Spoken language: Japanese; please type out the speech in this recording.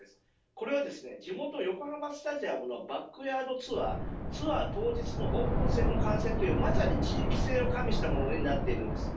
これは地元横浜スタジアムのバックヤードツアーツアー当日のオープン戦の観戦というまさに地域性を加味したものになっているんです。